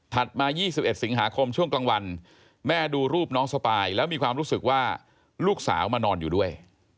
มา๒๑สิงหาคมช่วงกลางวันแม่ดูรูปน้องสปายแล้วมีความรู้สึกว่าลูกสาวมานอนอยู่ด้วย